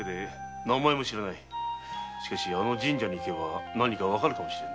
しかしあの神社に行けば何かわかるかもしれん。